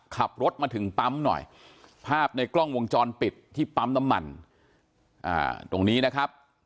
ขับรถมาถึงปั๊มหน่อยภาพในกล้องวงจรปิดที่ปั๊มน้ำมันตรงนี้นะครับ